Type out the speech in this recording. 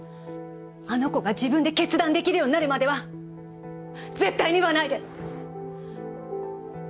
あの子が自分で決断できるようになるまでは絶対に言わないで！